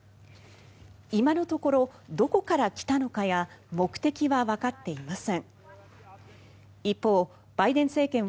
今のところ、どこから来たのかや目的はわかっていません。